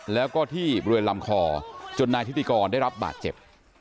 แล้วก็ที่บริเวณลำคอจนนายทิติกรได้รับบาดเจ็บ